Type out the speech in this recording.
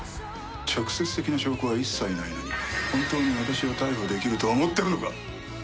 直接的な証拠は一切ないのに本当に私を逮捕できると思っているのか。